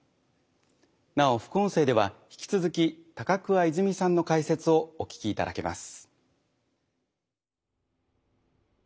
なお副音声では引き続き高桑いづみさんの解説をお聞きいただけます。